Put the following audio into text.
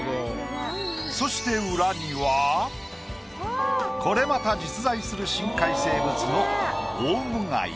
そして裏にはこれまた実在する深海生物の。